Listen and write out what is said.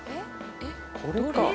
これか。